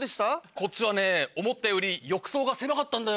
こっちはね思ったより浴槽が狭かったんだよ。